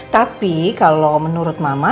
tapi kalau menurut mama